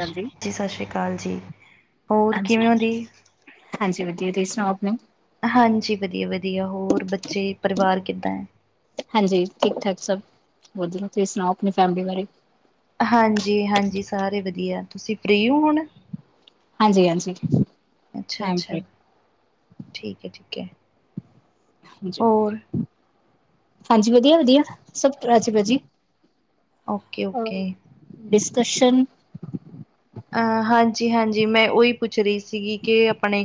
ਹਾਂਜੀ, ਜੀ ਸਾ ਸ੍ਰੀ ਕਾਲ ਜੀ, ਹੋਰ ਹਾਂਜੀ, ਕਿਵੇਂ ਓ ਜੀ? ਹਾਂਜੀ, ਵਦੀਆ, ਤੁਸੀਂ ਸੁਣਾਓ ਅਪਣੀ? ਹਾਂਜੀ, ਵਦੀਆ-ਵਦੀਆ, ਹੋਰ ਬੱਚੇ, ਪਰਿਵਾਰ ਕਿੱਦਾਂ ਐ? ਹਾਂਜੀ, ਠੀਕ ਠਾਕ ਸਬ, ਹੋਰ ਤੁਸੀਂ ਸੁਣਾਓ ਅਪਣੀ ਫੈਮਿਲੀ ਬਾਰੇ? ਹਾਂਜੀ, ਹਾਂਜੀ, ਸਾਰੇ ਵਦੀਆ, ਤੁਸੀਂ ਫ੍ਰੀ ਹੋ ਹੁਣ? ਹਾਂਜੀ-ਹਾਂਜੀ ਅੱਛਾ ਅੱਛਾ [unintelligible] ਠੀਕ ਐ, ਠੀਕੈ। ਹਾਂਜੀ, ਵਦੀਆ-ਵਦੀਆ, ਸਬ ਰਾਜੀ-ਵਾਜੀ। ਓਕੇ-ਓਕੇ। ਡਿਸਕਸ਼ਨ ਅ ਹਾਂਜੀ-ਹਾਂਜੀ, ਮੈਂ ਉਈ ਪੁੱਛ ਰੀ ਸੀਗੀ ਕਿ ਅਪਣੇ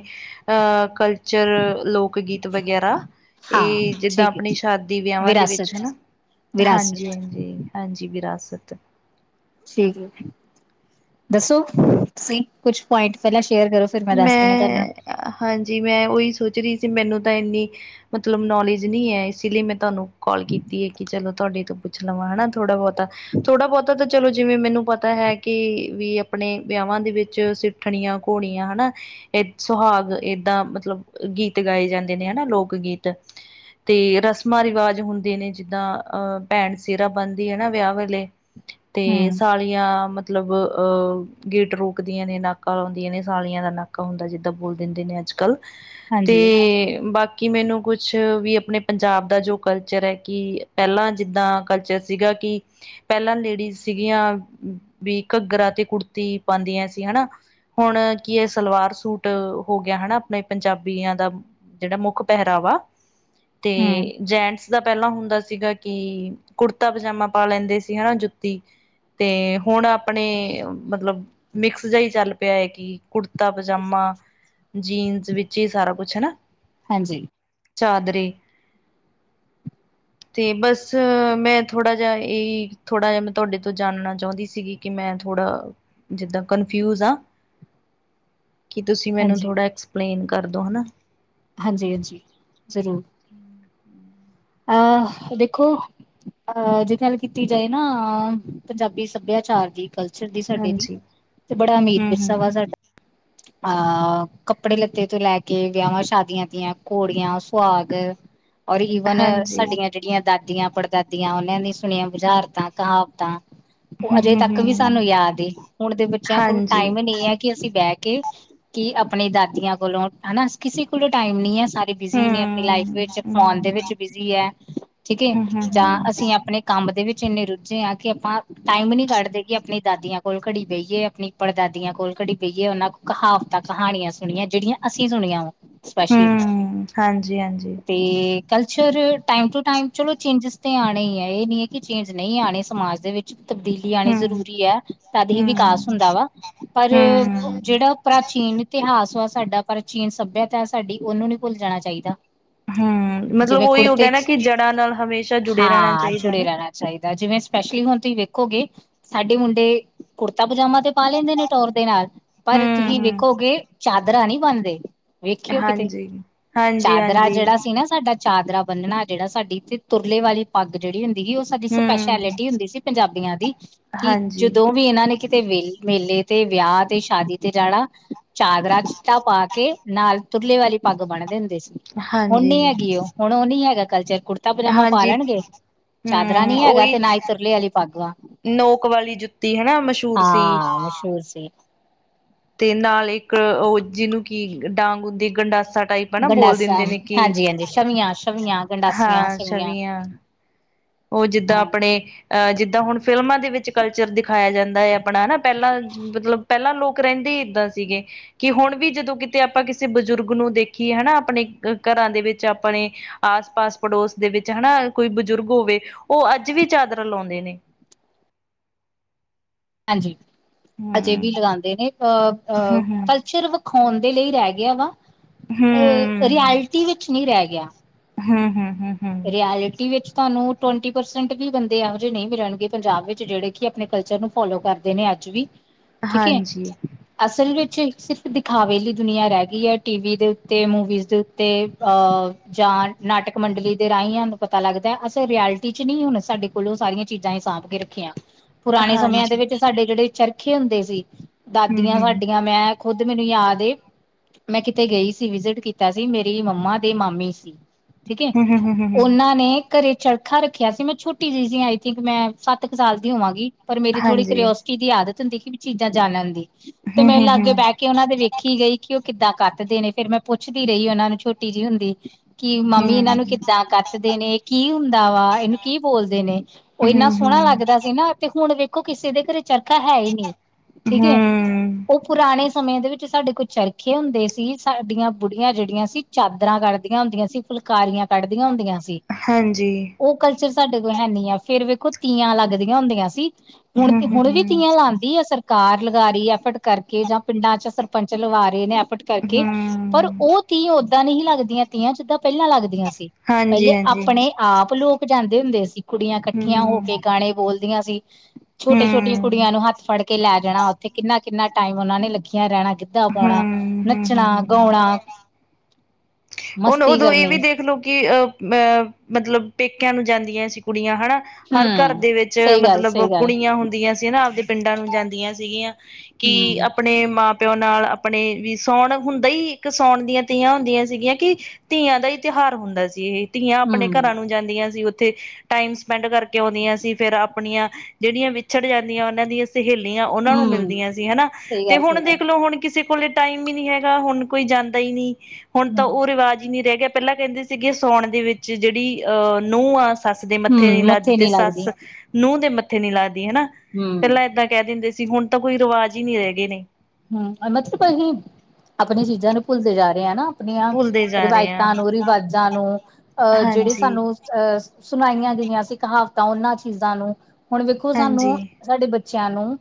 ਅ ਕਲਚਰ ਲੋ ਕ ਗੀਤ ਵਗੈਰਾ ਹਾਂ ਇਹ ਜਿੱਦਾਂ ਠੀਕ ਅਪਣੀ ਹੈ ਸ਼ਾਦੀ, ਵਿਆਹਾਂ ਦੇ ਵਿੱਚ ਵਿਰਾਸਤ, ਹੈਨਾ ਹਾਂਜੀ, ਵਿਰਾਸਤ ਹਾਂਜੀ, ਹਾਂਜੀ, ਵਿਰਾਸਤ ਠੀਕ ਐ, ਦੱਸੋ ਤੁਸੀਂ ਕੁਛ ਪੁਆਇੰਟ ਪੈਲਾਂ ਸ਼ੇਅਰ ਕਰੋ। ਫਿਰ ਦੱਸਦੀ ਹਾਂ ਤੁਹਾਨੂੰ ਮੈਂ, ਹਾਂਜੀ ਮੈਂ ਉਈ ਸੋਚ ਰੀ ਸੀ ਮੈਨੂੰ ਤਾਂ ਇੰਨੀ ਮਤਲਬ ਨੌਲੇਜ ਨੀ ਐ, ਇਸ ਲਈ ਮੈਂ ਤੁਆਨੂੰ ਕੋੱਲ ਕੀਤੀ ਐ ਕਿ ਚਲੋ ਤੁਆਡੇ ਤੋਂ ਪੁੱਛ ਲਵਾਂ ਹੈਨਾ ਥੋੜਾ ਬੌਤਾ ਥੋੜਾ ਬੌਤਾ ਤਾਂ ਚਲੋ ਜਿਵੇਂ ਮੈਨੂੰ ਪਤਾ ਐ ਕਿ ਵੀ ਅਪਣੇ ਵਿਆਹਾਂ ਦੇ ਵਿੱਚ ਸਿੱਠਣੀਆਂ, ਘੋੜੀ ਆ ਹੈਨਾ ਐ ਸੁਹਾਗ ਏਦਾਂ ਮਤਲਬ ਗੀਤ ਗਾਏ ਜਾਂਦੇ ਨੇ ਐਨਾ, ਲੋਕ ਗੀਤ ਤੇ ਰਸਮਾਂ ਰਿਵਾਜ ਹੁੰਦੇ ਨੇ ਜਿੱਦਾਂ ਅ ਭੈਣ ਸਿਹਰਾ ਬਣਦੀ ਐ ਨਾ ਵਿਆਹ ਵੇਲੇ ਤੇ ਹਮ ਸਾਲੀਆਂ ਮਤਲਬ ਅਹ ਗੇਟ ਰੋਕਦੀਆਂ ਨੇ ਨਾਕਾਂ ਲਾਉਂਦੀਆਂ ਨੇ ਸਾਲੀਆਂ ਦਾ ਨਾਕਾ ਹੁੰਦਾ ਜਿੱਦਾਂ ਬੋਲ ਦਿੰਦੇ ਨੇ ਅੱਜ ਕੱਲ ਤੇ ਹਾਂਜੀ ਬਾਕੀ ਕਿ ਮੈਨੂੰ ਕੁਛ ਵੀ ਆਪਣੇ ਪੰਜਾਬ ਦਾ ਜੋ ਕਲਚਰ ਹੈ ਕਿ ਪਹਿਲਾਂ ਜਿੱਦਾਂ ਕਲਚਰ ਸੀਗਾ ਕਿ ਪਹਿਲਾਂ ਲੇਡੀਜ਼ ਸੀਗੀਆਂ ਵੀ ਘੱਗਰਾ ਤੇ ਕੁੜਤੀ ਪਾਉਦੀਆਂ ਸੀ ਹਨਾ ਹੁਣ ਕੀ ਇਹ ਸਲਵਾਰ ਸੂਟ ਹੋ ਗਿਆ ਹਨਾ ਆਪਣੇ ਪੰਜਾਬੀਆਂ ਦਾ ਜਿਹੜਾ ਮੁੱਖ ਪਹਿਰਾਵਾ ਅਤੇ ਹਮ ਜੈਂਟਸ ਦਾ ਪਹਿਲਾਂ ਹੁੰਦਾ ਸੀਗਾ ਕਿ ਕੁੜਤਾ ਪਜਾਮਾ ਪਾ ਲੈਂਦੇ ਸੀ ਹਨਾ ਜੁੱਤੀ ਤੇ ਹੁਣ ਆਪਣੇ ਮਤਲਬ ਮਿਕਸ ਜਿ ਹੀ ਚੱਲ ਪਿਆ ਹੈ ਕਿ ਕੁੜਤਾ ਪਜਾਮਾ ਜੀਨਸ ਵਿੱਚ ਹੀ ਸਾਰਾ ਕੁਛ ਹਨਾ ਹਾਂਜੀ ਚਾਦਰਰੀ ਤੇ ਬਸ ਮੈਂ ਥੋੜ੍ਹਾ ਜਿਹਾ ਇਹਹੀ ਥੋੜ੍ਹਾ ਜਿਹਾ ਮੈਂ ਤੁਹਾਡੇ ਤੋਂ ਜਾਣਨਾ ਚਾਹੁੰਦੀ ਸੀਗੀ ਕਿ ਮੈਂ ਥੋੜ੍ਹਾ ਜਿੱਦਾਂ ਕਨਫਿਊਜ ਹਾਂ ਕੀ ਤੁਸੀਂ ਮੈਨੂੰ ਹਾਂਜੀ, ਥੋੜ੍ਹਾ ਐਕਸਪਲੇਨ ਕਰਦੋ ਹਨਾ ਹਾਂਜੀ ਹਾਂਜੀ ਜ਼ਰੂਰ ਅਹ ਦੇਖੋ ਅਹ ਜੇ ਗੱਲ ਕੀਤੀ ਜਾਏ ਨਾ ਪੰਜਾਬੀ ਸੱਭਿਆਚਾਰ ਦੀ ਕ ਦੀ ਸਾਡੇ ਦੀ ਹਾਂਜੀ ਤੇ ਬੜਾ ਅਮੀਰ ਹੂੰ ਵਿਰਸਾ ਵਾ ਹੂੰ ਸਾਡਾ ਅਹ ਕੱਪੜੇ ਲੱਤੇ ਤੋਂ ਲੈ ਕੇ ਵਿਆਵਾਂ ਸ਼ਾਦੀ ਆਂ ਦੀਆਂ ਘੋੜੀਆਂ ਸੁਹਾਗ ਔਰ ਈਵਨ ਹਾਂਜੀ ਸਾਡੀਆਂ ਜਿਹੜੀਆਂ ਦਾਦੀਆਂ ਪੜਦਾਦੀਆਂ ਉਹਨਾਂ ਦੀ ਸੁਣੀਆਂ ਵੁਜ਼ਾਰਤਾਂ ਕਹਾਵਤਾਂ ਉਹ ਹੂੰ ਅਜੇ ਹੂੰ ਤੱਕ ਵੀ ਹੂੰ ਸਾਨੂੰ ਯਾਦ ਹੁਣ ਦੇ ਬੱਚਿਆਂ ਕੋਲ ਹਾਂਜੀ ਟਾਈਮ ਨਹੀਂ ਹੈ ਕਿ ਅਸੀਂ ਬਹਿ ਕੇ ਕਿ ਆਪਣੇ ਦਾਦੀਆਂ ਕੋਲੋਂ ਹਨਾ ਕਿਸੇ ਕੋਲ ਟਾਈਮ ਨੀ ਹੈ ਸਾਰੇ ਬਿਜ਼ੀ ਹੂੰ ਨੇ ਆਪਣੀ ਲਾਈਫ ਹੂੰ ਵਿੱਚ ਫੋਨ ਦੇ ਹੂੰ ਵਿੱਚ ਬਿਜ਼ੀ ਹੈ ਠੀਕ ਹੈ ਜਾਂ ਹੂੰ ਅਸੀਂ ਆਪਣੇ ਕੰਮ ਦੇ ਵਿੱਚ ਇੰਨੇ ਰੁੱਝੇ ਆ ਕਿ ਆਪਾਂ ਟਾਈਮ ਨੀ ਕੱਢਦੇ ਕਿ ਆਪਣੀ ਦਾਦੀਆਂ ਕੋਲ ਘੜੀ ਬਈਏ ਆਪਣੀ ਪੜਦਾਦੀਆਂ ਕੋਲ ਘੜੀ ਬਈਏ ਉਹਨਾਂ ਕੋਲ ਕਹਾਵਤਾਂ ਕਹਾਣੀਆਂ ਸੁਣੀਆਂ ਜਿਹੜੀਆਂ ਅਸੀਂ ਸੁਣੀਆਂ ਵਾ ਸਪੈਸ਼ਲੀ ਹੂੰ ਹਾਂਜੀ ਹਾਂਜੀ ਅਤੇ ਕਲਚਰ ਟਾਈਮ ਟੂ ਟਾਈਮ ਚਲੋ ਚੇਂਜਿਸ ਤਾਂ ਆਉਣੇ ਹੀ ਹੈ ਇਹ ਨਹੀਂ ਹੈ ਕਿ ਚੇਂਜ ਨਹੀਂ ਆਣੇ ਸਮਾਜ ਦੇ ਵਿੱਚ ਤਬਦੀਲੀ ਆਣੀ ਹੂੰ ਜ਼ਰੂਰੀ ਹੈ ਤਦ ਹੀ ਹੂੰ, ਵਿਕਾਸ ਹੁੰਦਾ ਵਾ ਪਰ ਹੂੰ ਜਿਹੜਾ ਪ੍ਰਾਚੀਨ ਇਤਿਹਾਸ ਵਾ ਸਾਡਾ ਪਰ ਚੀਨ ਸੱਭਿਅਤਾ ਹੈ ਸਾਡੀ ਉਹਨੂੰ ਨਹੀਂ ਭੁੱਲ ਜਾਣਾ ਚਾਹੀਦਾ ਹਮ ਮਤਲਬ ਜਿਵੇਂ ਉਹੀ ਹੋ ਕੁੜਤੇ ਗਿਆ ਨਾ ਕਿ ਜੜ੍ਹਾਂ ਨਾਲ ਹਮੇਸ਼ਾ ਜੁੜੇ ਰਹਿਣਾ ਹਾਂ ਚਾਹੀਦਾ ਜੁੜੇ ਹਨਾ ਰਹਿਣਾ ਚਾਹੀਦਾ ਜਿਵੇਂ ਸਪੈਸ਼ਲੀ ਹੁਣ ਤੁਸੀਂ ਵੇਖੋਗੇ ਸਾਡੇ ਮੁੰਡੇ ਕੁੜਤਾ ਪਜਾਮਾ ਤੇ ਪਾ ਲੈਂਦੇ ਨੇ ਟੋਰ ਦੇ ਨਾਲ ਪਰ ਤੁਸੀਂ ਹੂੰ-ਹੂੰ, ਵੇਖੋਗੇ ਚਾਦਰਾਂ ਨਹੀਂੀ ਬਣਦੇ ਵੇਖਿਓ ਕਿਤੇ ਹਾਂਜੀ। ਚਾਦਰਾ ਹਾਂਜੀ-ਹਾਂਜੀ, ਜਿਹੜਾ ਸੀ ਨਾ ਸਾਡਾ ਚਾਦਰਰਾ ਬੰਨਣਾ ਜਿਹੜਾ ਸਾਡੀ ਤੇ ਤੁਰਲੇ ਵਾਲੀ ਪੱਗ ਜਿਹੜੀ ਹੁੰਦੀਗੀ ਉਹ ਸਾਡੀ ਹੂੰ, ਸਪੈਸ਼ਲਿਟੀ ਹੁੰਦੀ ਸੀ ਪੰਜਾਬੀਆਂ ਦੀ ਕਿ ਹਾਂਜੀ। ਜਦੋਂ ਵੀ ਇਹਨਾਂ ਨੇ ਕਿਤੇੇ ਮੇਲੇ ਤੇ ਵਿਆਹ ਤੇ ਸ਼ਾਦੀ ਤੇ ਜਾਣਾ ਚਾਦਰਰਾਾਂ ਚਾ ਪਾ ਕੇ ਨਾਲ ਤੁਰਲੇ ਵਾਲੀ ਪੱਗ ਬਣਦੇ ਹੁੰਦੇ ਸੀ ਹੁਣ ਨੀ ਹਾਂਜੀ, ਹੈਗੀ ਉਹ ਹੁਣ ਉਹ ਨੀ ਹੈਗਾ ਕਲਚਰ ਕੁੜ ਤਾ ਪਜਾਮਾ ਪਾ ਹਾਂਜੀ, ਲੈਣਗੇ ਚਾਦਰਰਾਾਂ ਹੂੰ ਨੀ ਹੈਗਾ ਉਹੀ ਤੇ ਨਾ ਹੀ ਤੁਰਲੇ ਵਾਲੀ ਪਾੱਗਵਾਂ ਨੋਕ ਵਾਲੀ ਜੁੱਤੀ ਹਨਾ ਮਸ਼ਹੂਰ ਸੀ ਬਸੀ ਤੇ ਨਾਲ ਇੱਕ ਉਹ ਜਿਹਨੂੰ ਕਿ ਡਾਂਗ ਹੁੰਦੀ ਗੰਡਾਸਾ ਟਾਈਪ ਆਪ ਨਾ ਬੋਲ ਗੰਡਾਸਾ ਦਿੰਦੇ ਨੇ ਕਿ ਹਾਂਜੀ ਹਾਂਜੀ ਛਵੀਆਂ ਛਵੀਆਂ ਗੰਡਾਸੀਆਂ ਹਾਂ ਛਵੀਆਂ ਉਹ ਜਿੱਦਾਂ ਹਾਂ ਆਪਣੇ ਅ ਜਿੱਦਾਂ ਹੁਣ ਫਿਲਮਾਂ ਦੇ ਵਿੱਚ ਕਲਚਰ ਦਿਖਾਇਆ ਜਾਂਦਾ ਹੈ ਆਪਣਾ ਹਨਾ ਪਹਿਲਾਂ ਮਤਲਬ ਪਹਿਲਾਂ ਲੋਕ ਰਹਿੰਦੇ ਹੀ ਇੱਦਾਂ ਸੀਗੇ ਕਿ ਹੁਣ ਵੀ ਜਦੋਂ ਕਿਤੇ ਆਪਾਂ ਕਿਸੇ ਬਜ਼ੁਰਗ ਨੂੰ ਦੇਖੀਏ ਹਨਾ ਆਪਣੇ ਘਰਾਂ ਦੇ ਵਿੱਚ ਆਪਣੇ ਆਸ ਪਾਸ ਪੜੋਸ ਦੇ ਵਿੱਚ ਹੈਨਾ ਕੋਈ ਬਜ਼ੁਰਗ ਹੋਵੇ ਉਹ ਅੱਜ ਵੀ ਚਾਦਰ ਲਾਉਂਦੇ ਨੇ। ਹਾਂਜੀ ਅਜੇ ਵੀ ਹਮ ਲਗਾਉਂਦੇ ਨੇ ਅ ਹਮ ਹਮ ਕਲਚਰ। ਦਿਖਾਉਣ ਦੇ ਲਈ ਰਹਿ ਗਿਆ ਵਾ ਅਹ ਹਮ ਰਿਐਲਟੀ ਵਿੱਚ ਨਹੀਂ ਰਹਿ ਗਿਆ। ਹਮ ਹਮ ਹਮ ਹਮ ਰਿਐਲਿਟੀ ਵਿੱਚ ਤੁਹਾਨੂੰ ਟਵੰਟੀ ਪਰਸੈਂਟ ਵੀ ਬੰਦੇ ਇਹੋ ਜਹੇ ਨਹੀਂ ਮਿਲਣਗੇ ਪੰਜਾਬ ਵਿੱਚ ਜਿਹੜੇ। ਆਪਣੇ ਕਲਚਰ ਨੂੰ ਫੋਲੋ ਕਰਦੇ ਨੇ ਅੱਜ ਵੀ ਠੀਕ ਹੈ। ਹਾਂਜੀ ਅਸਲ ਵਿੱਚ ਸਿਰਫ ਦਿਖਾਵੇ ਲਈ ਦੁਨੀਆਂ ਰਹਿ ਗਈ ਹੈ ਟੀਵੀ ਦੇ ਉੱਤੇ ਮੂਵੀਜ਼ ਦੇ ਉੱਤੇ ਅਹ। ਜਾਨ ਨਾਟਕ ਮੰਡਲੀ ਦੇ ਰਾਹੀਂ ਸਾਨੂੰ ਪਤਾ ਲੱਗਦਾ ਹੈ ਅਸੀਂ ਰਿ ਐਲਟੀ ਚ ਨਹੀਂ ਹੁਣ ਸਾਡੇ ਕੋਲੋਂ ਉਹ ਸਾਰੀਆਂ ਚੀਜ਼ਾਂ ਹੀ ਸਾਂਭ ਕੇ ਰੱਖੀਆਂ। [inaudible] ਪੁਰਾਣੇ ਸਮਿਆਂ ਦੇ ਹਾਂਜੀ ਵਿੱਚ ਸਾਡੇ ਜਿਹੜੇ ਚਰਖੇ ਹੁੰਦੇ ਸੀ ਹਮ ਦਾਦੀਆਂ ਹਮ ਸਾਡੇ। ਮੈਂ ਖੁਦ ਮੈਨੂੰ ਯਾਦ ਏ। ਮੈਂ ਕਿਤੇ ਗਈ ਸੀ ਵਿਜ਼ੀਟ ਕੀਤਾ ਸੀ ਮੇਰੀ ਮੰਮਾ ਦੇ ਮਾਮੀ ਸੀ। ਠੀਕ ਹੈ ਹਮ ਹਮ ਹਮ ਹਮ ਹਮ ਉਹਨਾਂ ਨੇ। ਘਰੇ ਚੜਖਾ ਰੱਖਿਆ ਸੀ ਮੈਂ ਛੋਟੀ ਜਿਹੀ ਸੀ ਆਈ ਥਿੰਕ ਮੈਂ ਸੱਤ ਕੁ ਸਾਲ ਦੀ ਹੋਵਾਂਗੀ ਪਰ ਮੇਰੀ ਥੋੜੀ ਹਾਂਜੀ ਕਰੋਸਟੀ। ਜਿਦੀ ਆਦਤ ਹੁੰਦੀ ਕਿ ਵੀ ਚੀਜ਼ਾਂ ਜਾਣਨ ਦੀ ਤੇ ਹਮ ਮੇਰੇ ਹਮ ਲਾਗੇ ਬਹਿ ਕੇ ਉਹਨਾਂ ਦੇ ਵੇਖ। ਦੇਖੀ ਗਈ ਕਿ ਉਹ ਕਿੱਦਾਂ ਕੱਟਦੇ ਨੇ ਫੇਰ ਮੈਂ ਪੁੱਛਦੀ ਰਹੀ ਉਹਨਾਂ ਨੂੰ ਛੋਟੀ ਜਿਹੀ ਹੁੰਦੀ। ਕਿ ਮੰਮੀ ਹਮ ਇਹਨਾਂ ਨੂੰ ਹਮ ਕਿੱਦਾਂ ਕੱਤਦੇ ਨੇ ਕੀ ਹੁੰਦਾ ਵਾ ਇਹਨੂੰ ਕੀ ਬੋਲਦੇ ਨੇ। ਉਹ ਇੰਨਾ ਹਮ ਸੋਹਣਾ ਹਮ ਲੱਗਦਾ ਸੀ ਨਾ ਤੇ ਹੁਣ। ਦੇਖੋ ਕਿਸੇ ਦੇ ਘਰੇ ਚਰਖਾ ਹੈ ਹੀ ਨਹੀਂ ਠੀਕ ਹੈ ਹੂੰ, ਉਹ। ਪੁਰਾਣੇ ਸਮੇਂ ਦੇ ਵਿੱਚ ਸਾਡੇ ਕੋਲ ਚਰਖੇ ਹੁੰਦੇ ਸੀ ਸਾਡੀਆਂ ਬੁੜੀਆਂ ਜਿਹੜੀਆਂ ਸੀ ਚਾਦਰਾਂ ਕਡਦੀਆਂ ਹੁੰਦੀਆਂ। ਫੁਲਕਾਰੀਆਂ ਕੱਢਦੀਆਂ ਹੁੰਦੀਆਂ ਸੀ। ਹਾਂਜੀ। ਉਹ ਕਲਚਰ ਸਾਡੇ ਕੋਲ ਹੈਨੀ ਆ ਫੇਰ ਵੇਖੋ ਤੀਆਂ ਲੱਗਦੀਆਂ ਹੁੰਦੀਆਂ ਸੀ। ਹੁਣ ਤੇ ਹੁਣ ਵੀ ਹੂੰ-ਹੂੰ-ਹੂੰ, ਤੀਆਂ ਲਾਉਂਦੀ ਆ ਅਸਰ। ਕਾਰ ਲਗਾ ਰਹੀ ਐਫਟ ਕਰਕੇ ਜਾਂ ਪਿੰਡਾਂ ਚ ਸਰਪੰਚ ਲਵਾ ਰਹੇ ਨੇ ਐਫਟ ਕਰਕੇ ਪਰ। ਹੂੰ, ਉਹ ਤੀ ਓਦਾਂ ਨਹੀਂ ਲੱਗਦੀਆਂ ਤੀਆਂ ਜਿੱਦਾਂ ਪਹਿਲਾਂ ਲੱਗਦੀਆਂ ਸੀ ਹਾਂਜੀ-ਹਾਂਜੀ। ਪਹਿਲੇ ਆਪਣੇ। ਆਪ ਲੋਕ ਜਾਂਦੇ ਹੁੰਦੇ ਸੀ ਕੁੜੀਆਂ ਇਕੱਠੀਆਂ ਹੋ ਕੇ ਹੂੰ, ਗਾਣੇ ਬੋਲਦੀਆਂ ਸੀ। ਛੋਟੇ ਛੋਟੀਆਂ ਹਾਂਜੀ, ਕੁੜੀਆਂ ਨੂੰ ਹੱਥ ਫੜ ਕੇ ਲੈ ਜਾਣਾ ਉੱਥੇ ਕਿੰਨਾ ਕਿੰਨਾ ਟਾਈਮ ਉਹਨਾ ਨੇ ਲੱਗੀਆਂ ਰਹਿਣਾ। ਗਿੱਧਾ ਹਾਂਜੀ। ਹੂੰ, ਪਾਉਣਾ ਹੂੰ, ਨੱਚਣਾ ਹੂੰ-ਹੂੰ-ਹੂੰ। ਗਾਉਣਾ ਹੁਣ ਮਸਤ। ਉਦੋਂ ਇਹ ਵੀ ਦੇਖਲਓ ਕਿ ਅਹ ਅਹ ਮਤਲਬ ਪੇਕਿਆਂ ਨੂੰ ਜਾਂਦੀਆਂ ਸੀ ਕੁੜੀਆਂ ਹਨਾ। ਹਰ ਘਰ ਹਮ ਦੇ ਵਿੱਚ ਸਹੀ ਗੱਲ ਮਤਲਬ ਸਹੀ ਗੱਲ ਕੁੜੀਆਂ ਹੁੰਦੀਆਂ ਸੀ ਨਾ ਆਪਦੇ। ਪਿੰਡਾਂ ਨੂੰ ਜਾਂਦੀਆਂ ਸੀਗੀਆਂ ਕਿ ਹਮ ਆਪਣੇ ਮਾਂ। ਪਿਓ ਨਾਲ ਆਪਣੇ ਵੀ ਸਾੌਣ ਹੁੰਦਾ ਹੀ ਇੱਕ ਸੌਣ ਦੀਆਂ ਤੀਆਂ ਹੁੰਦੀਆਂ ਸੀਗੀਆਂ। ਕਿ ਧੀਆਂ ਦਾ ਹੀ ਤਿਉਹਾਰ ਹੁੰਦਾ ਸੀ ਇਹ ਧੀਆਂ ਆਪਣੇ ਹਮ ਘਰਾਂ ਨੂੰ ਜਾਂਦੀਆਂ ਸੀ ਉੱਥੇ। ਟਾਈਮ ਸਪੈਂਡ ਕਰਕੇ ਆਉਂਦੀਆਂ ਸੀ ਫੇਰ ਆਪਣੀਆਂ ਜਿਹੜੀਆਂ ਵਿਛੜ ਜਾਂਦੀਆਂ ਉਹਨਾਂ ਦੀਆਂ। ਸਹੇਲੀਆਂ ਉਹਨਾਂ ਨੂੰ ਹੂੰ, ਮਿਲਦੀਆਂ ਸੀ ਹੈਨਾ ਸਹੀ ਤੇ ਗੱਲ ਹੁਣ ਸਹੀ ਗੱਲ ਦੇਖਲੋ ਹੁਣ ਕਿਸੇ। ਕੋਲੇ ਟਾਈਮ ਹੀ ਨੀ ਹੈਗਾ ਹੁਣ ਕੋਈ ਜਾਂਦਾ ਹੀ ਨੀ। ਤਾਂ ਉਹ ਰਿਵਾਜ਼ ਹੀ ਨਹੀਂ ਰਹਿ ਗਿਆ ਪਹਿਲਾਂ ਕਹਿੰਦੇ ਸੀਗੇ ਸੋਣ ਦੇ ਵਿੱਚ ਜਿਹੜੀ ਅਹ ਨੂੰਹ ਆ। ਸੱਸ ਦੇ ਮੱਥੇ ਨੀ ਲਗਦੀ ਤੇ ਸੱਸ ਨੂੰਹ ਦੇ ਮੱਥੇ ਨੀ ਲਗਦੀ ਹੈ। ਹੂੰ। ਪਹਿਲਾਂ ਏਦਾਂ ਕਹਿ ਦਿੰਦੇ ਸੀ ਹੁਣ ਤਾਂ ਕੋਈ ਰਿਵਾਜ਼ ਹੀ ਨਹੀਂ ਰਹਿ ਗਏ ਨੇ। ਹਮ ਮਤਲਬ ਅਸੀਂ ਆਪਣੀਆਂ ਚੀਜ਼ਾਂ ਨੂੰ ਭੁੱਲਦੇ ਜਾ ਰਹੇ ਹਾਂ ਨਾ। ਆਪਣੀਆਂ ਭੁੱਲਦੇ ਜਾ ਰਹੇ ਆ ਰਵਾਇਤਾਂ ਨੂੰ ਰਿਵਾਜਾਂ ਨੂੰ ਅਹ ਜਿਹੜੇ ਹਾਂਜੀ ਸਾਨੂੰ। ਅਹ ਸੁਣਾਈਆਂ ਗਈਆਂ ਸੀ ਕਹਾਵਤਾਂ ਉਹਨਾਂ ਚੀਜ਼ਾਂ ਨੂੰ ਹੁਣ ਵੇਖੋ ਸਾਨੂੰ। ਹਾਂਜੀ ਸਾਡੇ ਬੱਚਿਆਂ ਨੂੰ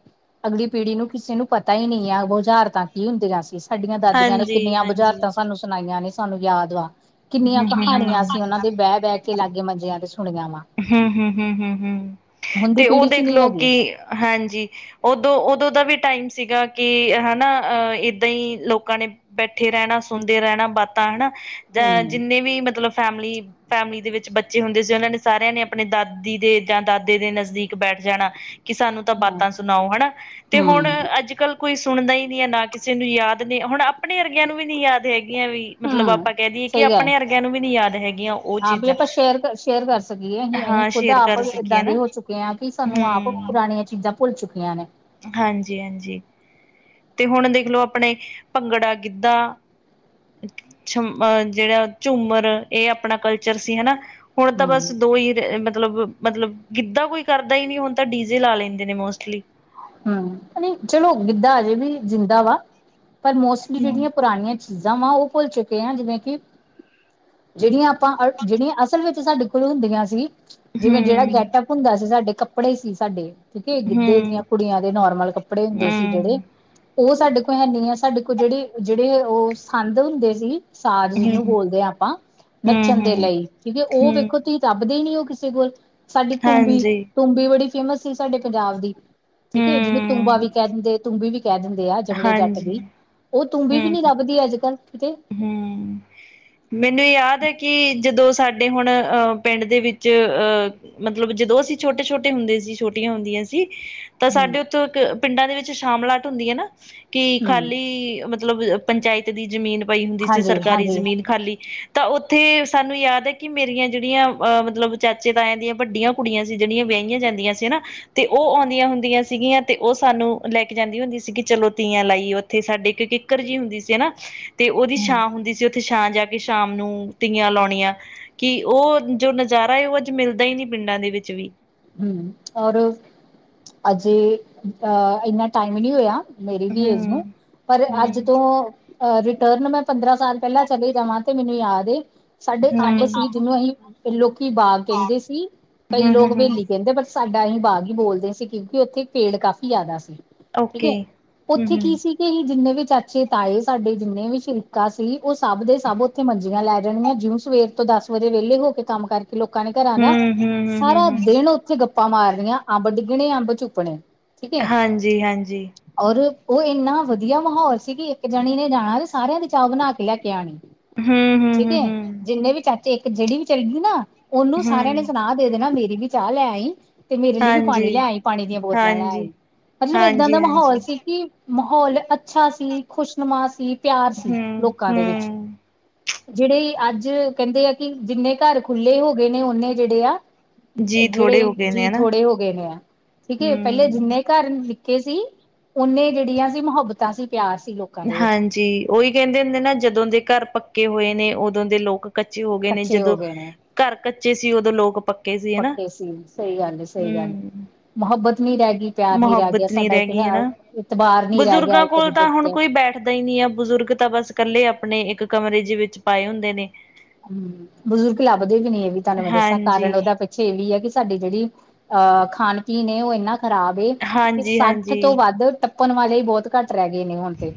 ਅਗਲੀ ਪੀੜ੍ਹੀ ਨੂੰ ਕਿਸੇ ਨੂੰ ਪਤਾ ਹੀ ਨਹੀਂ ਹੈ ਬੁਝਾਰਤਾਂ ਕੀ ਹੁੰਦੀਆਂ ਸੀ। ਸਾਡੀਆਂ ਦਾਦੀਆਂ ਨੇ ਹਾਂਜੀ ਕਿੰਨੀਆਂ ਹਾਂਜੀ ਬੁਝਾਰਤਾਂ ਸਾਨੂੰ ਸੁਣਾਈਆਂ ਨੇ ਸਾਨੂੰ ਯਾਦ ਵਾ। ਕਿੰਨੀਆਂ ਹਮ ਹਮ ਕਹਾਣੀਆਂ ਹਮ ਅਸੀਂ ਉਹਨਾਂ ਦੇ ਬਹਿ ਬਹਿ ਕੇ ਲਾਗੇ ਮੰਜਿਆਂ ਤੇ ਸੁਣਿਆ ਵਾ। ਹੂੰ ਹੂੰ ਹੂੰ ਹੂੰ ਹੁਣ ਦੀ ਤੇ ਉਹ ਪੀੜ੍ਹੀ ਚ ਨਹੀਂ ਦੇਖਲੋ ਹੈਗੀ। ਕਿ ਹਾਂਜੀ। ਉਦੋਂ ਉਦੋਂ ਦਾ ਵੀ ਟਾਈਮ ਸੀਗਾ ਕਿ ਹੈਨਾ ਅਹ ਏਦਾਂ ਹੀ ਲੋਕਾਂ ਨੇ। ਬੈਠੇ ਰਹਿਣਾ ਸੁਣਦੇ ਰਹਿਣਾ ਬਾਤਾਂ ਹਨਾ। ਜਾਂ ਹੂੰ, ਜਿੰਨੇ ਵੀ ਮਤਲਬ ਫੈਮਿਲੀ-ਫੈਮਿਲੀ ਦੇ ਵਿੱਚ ਬੱਚੇ ਹੁੰਦੇ ਸੀ, ਉਹਨਾਂ ਨੇ ਸਾਰਿਆਂ ਨੇ ਆਪਣੇ ਦਾਦੀ ਦੇ ਜਾਂ ਦਾਦੇ ਦੇ ਨਜ਼ਦੀਕ ਬੈਠ ਜਾਣਾ। ਕਿ ਸਾਨੂੰ ਤਾਂ ਹੂੰ, ਬਾਤਾਂ ਸੁਣਾਓ, ਹਨਾ ਤੇ ਹੁਣ ਹੂੰ ਅੱਜ ਕੱਲ੍ਹ, ਕੋਈ ਸੁਣਦਾ ਹੀ ਨਹੀ ਹੈ ਨਾ ਕਿਸੇ ਨੂੰ ਯਾਦ ਨਹੀਂ ਹੁਣ ਆਪਣੇ ਵਰਗਿਆਂ ਨੂੰ ਵੀ ਨੀ ਯਾਦ ਹੈਗੀਆਂ ਵੀ। ਮਤਲਬ ਆਪਾਂ ਕਹਿ ਦਈਏ, ਕਿ ਸਹੀ ਗੱਲ। ਆਪਣੇ ਅਰਗਿਆਂ ਨੂੰ ਵੀ ਨੀ ਯਾਦ ਹੈਗੀਆਂ ਉਹ ਹਾਂ ਵੀ ਚੀਜ਼ਾਂ ਆਪਾਂ ਸ਼ੇਰ, ਸ਼ੇਅਰ ਕਰ ਸਕੀਏ ਅਸੀਂ ਹਾਂ ਖੁਦ ਸ਼ੇਅਰ ਆਪ ਕਰ ਏਦਾਂ ਸਕੀਏ ਦੇ ਨਾ ਹੋ ਚੁੱਕੇ ਹਾਂ ਕਿ, ਸਾਨੂੰ ਆਪ ਪੁਰਾਣੀਆਂ ਚੀਜ਼ਾਂ। ਭੁੱਲ ਚੁੱਕੀਆਂ ਨੇ, ਹਾਂਜੀ, ਹਾਂਜੀ, ਤੇ ਹੁਣ ਦੇਖਲੋ, ਆਪਣੇ ਭੰਗੜਾ ਗਿੱਧਾ ਛ ਅਹ ਜਿਹੜਾ ਝੂਮਰ ਇਹ ਆਪਣਾ ਕਲਚਰ ਸੀ ਹਨਾ। ਹੁਣ ਤਾਂ ਬਸ ਹੂੰ, ਦੋ ਹੀ, ਮਤਲਬ, ਮਤਲਬ ਗਿੱਧਾ ਕੋਈ ਕਰਦਾ ਹੀ ਨਹੀਂ, ਹੁਣ ਤਾਂ ਡੀਜ਼ੇ ਲਾ ਲੈਂਦੇ ਨੇ ਮੋਸਟਲੀ ਹੂੰ, ਚਲੋ ਗਿੱਧਾ ਅਜੇ ਵੀ ਜਿੰਦਾ ਵਾ ਪਰ ਮੋਸਟਲੀ ਹੂੰ, ਜਿਹੜੀਆਂ ਪੁਰਾਣੀਆਂ ਚੀਜ਼ਾਂ ਵਾ ਉਹ ਭੁੱਲ ਚੁੱਕੇ ਐ, ਜਿਵੇਂ ਕਿ ਜਿਹੜੀਆਂ ਆਪਾਂ ਅ ਜਿਹੜੀਆਂ ਅਸਲ ਵਿੱਚ ਸਾਡੇ ਕੋਲ ਹੁੰਦੀਆਂ ਸੀ, ਜਿਵੇਂ ਜਿਹੜਾ ਹੂੰ, ਗੈਟਅਪ ਹੁੰਦਾ ਸੀ, ਸਾਡੇ ਕੱਪੜੇ ਸੀ ਸਾਡੇ ਠੀਕ ਹੈ, ਗਿੱਧੇ ਦੀਆਂ ਹੂੰ, ਹੂੰ। ਕੁੜੀਆਂ ਦੇ ਨੋਰਮਲ ਕੱਪੜੇ ਹੁੰਦੇ ਸੀ, ਜਿਹੜੇ ਹੂੰ, ਉਹ ਸਾਡੇ ਕੋਲ ਹੈਨੀ ਆ, ਸਾਡੇ ਕੋਲ ਜਿਹੜੇ ਜਿਹੜੇ ਉਹ ਸੰਦ ਹੁੰਦੇ ਸੀ। ਸਾਾਰੀ ਨੂੰ ਹੂੰ-ਹੂੰ, ਬੋਲਦੇ ਹਾਂ, ਆਪਾਂ ਨੱਚਣ ਦੇ ਹੂੰ, ਲਈ ਠੀਕ ਹੈ ਉਹ ਵੇਖੋ ਹੂੰ ਤੁਸੀਂ ਦੱਬਦੇ ਨੀ ਉਹ ਕਿਸੇ ਕੋਲ ਸਾਡੀ ਹਾਂਜੀ, ਤੁੰਬੀ-ਤੂੰਬੀ ਬੜੀ ਫੇਮਸ ਸੀ, ਸਾਡੇ ਪੰਜਾਬ ਦੀ ਠੀਕ ਜਿਹਨੂੰ ਤੂੰਬਾ ਹੂੰ। ਵੀ ਕਹਿ ਦਿੰਦੇ ਤੂੰਬੀ ਵੀ ਕਹਿ ਦਿੰਦੇ ਆ ਜੰਮਲੇ ਜੱਟ ਹਾਂਜੀ, ਦੀ, ਉਹ ਤੂੰਬੀ ਵੀ ਹੂੰ, ਨੀ ਲੱਭਦੀ ਅੱਜ ਕੱਲ੍ਹ ਕਿਤੇ ਹੂੰ, ਮੈਨੂੰ ਇਹ ਯਾਦ ਹੈ, ਕਿ ਜਦੋਂ ਸਾਡੇ ਹੁਣ ਅਹ ਪਿੰਡ ਦੇ ਵਿੱਚ ਅਹ ਮਤਲਬ ਜਦੋਂ ਅਸੀਂ ਛੋਟੇ-ਛੋਟੇ ਹੁੰਦੇ ਸੀ, ਛੋਟੀਆਂ ਹੁੰਦੀਆਂ ਸੀ। ਤਾਂ ਹਮ ਸਾਡੇ ਉੱਥੋਂ ਇੱਕ ਪਿੰਡਾਂ ਦੇ ਵਿੱਚ ਸ਼ਾਮਲਾਟ ਹੁੰਦੀ ਹੈ, ਨਾ ਕਿ ਹਮ ਖਾਲੀ ਮਤਲਬ ਮਤਲਬ ਪੰਚਾਇਤ ਦੀ ਜ਼ਮੀਨ ਪਈ ਹੁੰਦੀ ਸੀ, ਹਾਂਜੀ ਸਰਕਾਰੀ ਹਾਂਜੀ ਜ਼ਮੀਨ ਖਾਲੀ ਤਾਂ ਉੱਥੇ ਸਾਨੂੰ ਯਾਦ ਹੈ, ਕਿ ਮੇਰੀਆਂ ਜਿਹੜੀਆਂ ਅ ਮਤਲਬ ਚਾਚੇ ਤਾਇਆਂ ਦੀਆਂ ਵੱਡੀਆਂ। ਕੁੜੀਆਂ ਸੀ, ਜਿਹੜੀਆਂ ਵਿਆਹੀਆਂ ਜਾਂਦੀਆਂ ਸੀ ਨਾ। ਤੇ ਉਹ ਆਦੀਆਂ ਹੁੰਦੀਆਂ ਸੀਗੀਆਂ, ਤੇ ਉਹ ਸਾਨੂੰ ਲੈ ਕੇ ਜਾਂਦੀ ਹੁੰਦੀਆਂ ਸੀਗੀ ਚਲੋ ਤੀਆਂ ਲਾਈ ਉੱਥੇ ਸਾਡੇ ਇੱਕ ਕਿੱਕਰ ਜੀ ਹੁੰਦੀ ਸੀ ਹਨਾ, ਤੇ ਉਹਦੀ ਹਮ ਛਾਂ ਹੁੰਦੀ ਸੀ। ਉੱਥੇ ਛਾਂ ਜਾ ਕੇ ਸ਼ਾਮ ਨੂੰ ਤੀਆਂ ਲਾਉਣੀਆਂ। ਕਿ ਉਹ ਜੋ ਨਜ਼ਾਰਾ ਹੈ, ਉਹ ਅੱਜ ਮਿਲਦਾ ਹੀ ਨੀ ਪਿੰਡਾਂ ਦੇ ਵਿੱਚ ਵੀ ਹੂੰ, ਔਰ ਅਜੇ ਅ ਇੰਨਾ ਟਾਈਮ ਨਹੀਂ ਹੋਇਆ। ਮੇਰੀ ਵੀ ਏਜ ਹਮ ਨੂੰ ਪਰ ਅੱਜ ਹਮ ਤੋਂ, ਰਿਟਰਨ ਮੈਂ ਪੰਦਰਾਂ ਸਾਲ ਪਹਿਲਾਂ ਚਲੇ ਜਾਵਾਂ ਤੇ ਮੈਨੂੰ ਯਾਦ, ਸਾਡੇ ਅੰਬ ਹਮ ਸੀ ਜਿਹਨੂੰ ਅਸੀਂ ਲੋਕੀ ਬਾਗ ਕਹਿੰਦੇ ਸੀ, ਕਈ ਹਮ ਹਮ ਲੋਕ ਹਮ ਵਹਲੀ ਕਹਿੰਦੇ ਬ ਸਾਡਾ ਅਸੀਂ ਬਾਗ ਹੀ ਬੋਲਦੇ ਸੀ ਕਿਉਂਕਿ ਉੱਥੇ ਪੇੜ ਕਾਫ਼ੀ ਜ਼ਿਆਦਾ ਸੀ। ਠੀਕ ਐ, ਓਕੇ ਹਮ ਉੱਥੇ ਕੀ ਹਮ ਸੀ, ਹੀ ਜਿੰਨੇ ਵੀ ਚਾਚੇ ਤਾਏ ਸਾਡੇ ਜਿੰਨੇ ਵੀ ਸ਼ਰੀਕਾ ਸੀ, ਉਹ ਸਭ ਦੇ ਸਭ ਉੱਥੇ ਮੰਜੀਆਂ ਲੈ ਜਾਣਗੀਆਂ ਜਿਉ ਸਵੇਰ ਤੋਂ ਦਸ ਵਜੇ ਵਿਹਲੇ ਹੋ ਕੇ ਕੰਮ ਕਰਕੇ ਲੋਕਾਂ ਨੇ ਘਰਾਂ ਦਾ ਹਮ ਹਮ ਹਮ ਸਾਰਾ ਹਮ ਹਮ ਦਿਨ ਉੱਥੇ ਗੱਪਾਂ ਮਾਰਨੀਆਂ ਅੰਬ ਡਿੱਗਣੇ ਅੰਬ ਚੁੱਪਣੇ ਠੀਕ ਹੈ ਹਾਂਜੀ, ਹਾਂਜੀ, ਔਰ ਉਹ ਇੰਨਾ ਵਧੀਆ ਮਾਹੌਲ ਸੀ ਕਿ ਇੱਕ ਜਾਣੀ ਨੇ ਜਾਣਾ, ਤੇ ਸਾਰਿਆਂ ਦੀ ਚਾਹ ਬਣਾ ਕੇ ਲੈ ਕੇ ਆਣੀ। ਹਮ ਹਮ ਠੀਕ ਹਮ ਹੈ ਹਮ ਜਿੰਨੇ ਵੀ ਚਾਚੇ ਇੱਕ ਜਿਹੜੀ ਵੀ ਚੱਲਦੀ ਨਾ ਉਹਨੂੰ ਸਾਰਿਆਂ ਹਮ ਨੇ ਸੁਣਾ, ਦੇ ਦੇ ਨਾ ਮੇਰੀ ਵੀ ਚਾਹ ਲੈ ਆਈ। ਤੇ ਮੇਰੇ ਲਈ ਵੀ ਪਾਣੀ ਹਾਂਜੀ ਲੈ ਆਈ ਪਾਣੀ ਦੀਆਂ ਬੋਤਲਾਂ ਲੈ ਆਈ ਹਾਂਜੀ ਮਤਲਬ ਇਏਦਾਂ ਹਾਂਜੀ ਦਾ ਹਾਂਜੀ ਮਾਹੌਲ ਸੀ ਕਿ ਮਾਹੌਲ ਅੱਛਾ ਸੀ ਖੁਸ਼ ਨਮਾ ਸੀ ਪਿਆਰ ਸੀ ਹਮ ਲੋਕਾਂ ਦੇ ਵਿੱਚ [inaudible] ਜਿਹੜੇ ਅੱਜ ਕਹਿੰਦੇ ਆ ਕਿ ਜਿੰਨੇ ਘਰ ਖੁੱਲ੍ਹੇ ਹੋ ਗਏ ਨੇ ਓਨੇ ਜਿਹੜੇ ਆ ਜੀ ਥੋੜੇ ਔ ਜੀ ਥੋੜੇ ਹੋ ਗਏ ਨੇ ਐ, ਠੀਕ ਹੈ, ਪਹਿਲੇ ਹਮ ਜਿੰਨੇ ਘਰ ਨਿੱਕੇ ਸੀ, ਉਹਨੇ ਜਿਹੜੀਆਂ ਸੀ ਮੁਹੱਬਤਾਂ ਸੀ ਪਿਆਰ ਸੀ ਲੋਕ ਹਾਂਜੀ ਉਹੀ ਕਹਿੰਦੇ ਹੁੰਦੇ ਨਾ, ਜਦੋਂ ਦੇ ਘਰ ਪੱਕੇ ਹੋਏ ਨੇ, ਉਦੋਂ ਦੇ ਲੋਕ ਕੱਚੇ ਹੋ ਗਏ ਨੇ, ਕੱਚੇ ਜਦੋਂ ਹੋ ਗਏ ਨੇ ਘਰ ਕੱਚੇ ਸੀ, ਉਦੋਂ ਲੋਕ ਪੱਕੇ ਸੀ ਹਨਾ ਪੱਕੇ ਸੀ, ਸਹੀ ਗੱਲ ਏ, ਸਹੀ ਗੱਲ ਹੂੰ ਮੁਹੱਬਤ ਨੀ ਰਹਿ ਗਈ, ਪਿਆਰ ਨੀ ਰਹਿ ਗਿਆ, ਮੁਹੱਬਤ ਨੀ ਸਾਡਾ ਏ ਰਹਿ ਹੀ ਤੇ ਗਈ ਹੈ, ਹਨਾ ਇਤਬਾਰ ਨੀ ਰਹਿ ਗਿਆ, ਬਜ਼ੁਰਗਾਂ ਇੱਕ ਕੋਲ ਦੂਜੇ ਤਾਂ ਹੁਣ ਤੇ ਕੋਈ ਬੈਠਦਾ ਹੀ ਨਹੀਂ ਐ, ਬਜ਼ੁਰਗ ਤਾਂ ਬਸ ਇਕੱਲੇ, ਆਪਣੇ ਇੱਕ ਕਮਰੇ ਜ ਵਿੱਚ ਪਾਏ ਹੁੰਦੇ ਨੇ। ਹਮ ਬਜ਼ੁਰਗ ਲੱਭਦੇ ਵੀ ਨੀ, ਇਹ ਵੀ ਤੁਹਾਨੂੰ ਮੈਂ ਦੱਸਾਂ ਹਾਂਜੀ ਕਾਰਨ ਉਹਦਾ ਛੇੜੀ ਹੈ, ਕਿ ਸਾਡੀ ਜਿਹੜੀ ਅਹ ਖਾਣ ਪੀਣ ਐ, ਉਹ ਇੰਨਾ ਖ਼ਰਾਬ ਏ। ਤੇ ਹਾਂਜੀ ਸੱਠ ਤੋਂ ਹਾਂਜੀ ਵੱਧ ਟੱਪਣ ਵਾਲੇ ਹੀ, ਬਹੁਤ ਘੱਟ ਰਹਿ ਗਏ ਨੇ ਹੁਣ ਤੇ।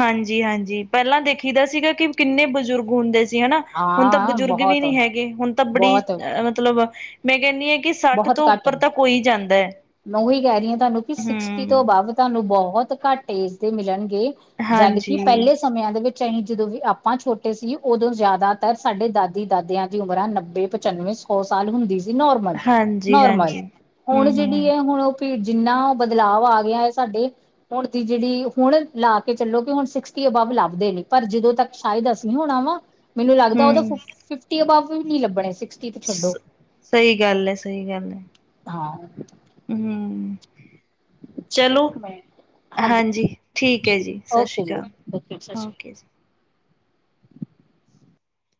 ਹਾਂਜੀ ਹਾਂਜੀ, ਪਹਿਲਾਂ ਦੇਖੀ ਦਾ ਸੀਗਾ ਕਿ ਕਿੰਨੇ ਬਜ਼ੁਰਗ ਹੁੰਦੇ ਸੀ, ਹੈਨਾ। ਹੁਣ ਤਾਂ ਹਾਂ ਬਜ਼ੁਰਗ ਵੀ ਬਹੁਤ ਨਹੀਂ ਹੈਗੇ, ਹੁਣ ਤਾਂ ਬੜੀ ਬਹੁਤ ਮਤਲਬ ਮੈਂ ਕਹਿੰਦੀ ਹਾਂ ਕਿ ਸੱਠ ਬਹੁਤ ਤੋਂ ਘੱਟ ਉੱਪਰ ਤਾਂ ਕੋਈ ਜਾਂਦਾ ਹੈ, ਮੈਂ ਉਹੀ ਕਹਿ ਰਹੀ ਹਾਂ ਤੁਹਾਨੂੰ ਕਿ ਹੂ। ਸਿਕਸਟੀ ਤੋਂ ਅਬਵ ਤੁਹਾਨੂੰ ਬਹੁਤ ਘੱਟ ਏਜ ਦੇ ਮਿਲਣਗੇ, ਜਦਕਿ ਹਾਂਜੀ, ਪਹਿਲੇ ਸਮਿਆਂ ਦੇ ਵਿੱਚ ਅਸੀਂ, ਜਦੋਂ ਵੀ ਆਪਾਂ ਛੋਟੇ ਸੀ, ਉਦੋਂ ਜ਼ਿਆਦਾਤਰ ਸਾਡੇ ਦਾਦੀ ਦਾਦਿਆਂ ਦੀ ਉਮਰਾਂ ਨੱਬੇ ਪਚਾਨਵੇਂ ਸੌ ਸਾਲ ਹੁੰਦੀ ਸੀ, ਨੋਰਮਲ। ਹਾਂਜੀ, ਨੋਰਮਲ, ਹਾਂਜੀ। ਹੂੰ, ਹੁਣ ਹੂੰ, ਜਿਹੜੀ ਹੂੰ, ਹੈ ਹੁਣ ਉਹ ਭੀੜ ਜਿੰਨਾ ਬਦਲਾਵ ਆ ਗਿਆ ਹੈ, ਸਾਡੇ ਹੁਣ ਦੀ ਜਿਹੜੀ, ਹੁਣ ਲਾ ਕੇ ਚੱਲੋ ਕਿ ਹੁਣ ਸਿਕਸਟੀ ਅਬਵ ਲੱਭਦੇ ਨਹੀ, ਪਰ ਜਦੋਂ ਤੱਕ ਸ਼ਾਇਦ ਅਸੀ ਨੀ ਹੋਣਾ ਵਾ, ਮੈਨੂੰ ਲੱਗਦਾ ਉਹ ਹੂੰ। ਫਿਫਟੀ ਅਬਵ ਨੀ ਲੱਭਣੇ, ਸਸਟੀ ਤੇ ਛੱਡੋ। ਸਹੀ ਗੱਲ ਹੈ, ਸਹੀ ਗੱਲ ਹੈ ਹਾਂ ਹੂ ਚਲੋ, ਇੱਕ ਮਿੰਟ ਹਾਂਜੀ ਠੀਕ ਹੈ ਜੀ, ਸਤਿ ਸ਼੍ਰੀ ਓਕੇ ਜੀ ਅਕਾਲ, ਓਕੇ ਸਤਿ ਸ਼੍ਰੀ ਅਕਾਲ ਔਕੇ ਜੀ।